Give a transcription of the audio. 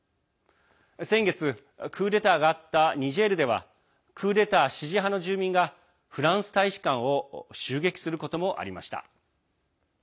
先月、クーデターがあったニジェールではクーデター支持派の住民がフランス大使館を襲撃することもありました。